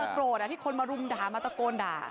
โกรธที่คนมารุมด่ามาตะโกนด่า